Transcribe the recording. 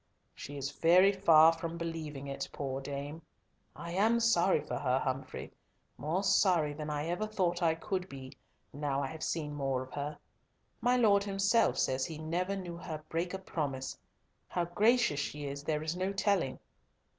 "She is very far from believing it, poor dame. I am sorry for her, Humfrey, more sorry than I ever thought I could be, now I have seen more of her. My Lord himself says he never knew her break a promise. How gracious she is there is no telling."